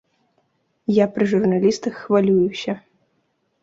Я пры журналістах хвалююся.